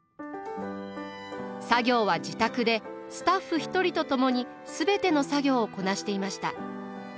作業は自宅でスタッフ１人と共に全ての作業をこなしていました。